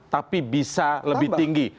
tapi bisa lebih tinggi